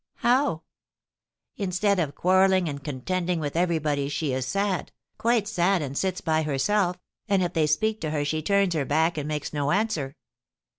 "How?" "Instead of quarrelling and contending with everybody, she is sad, quite sad, and sits by herself, and if they speak to her she turns her back and makes no answer.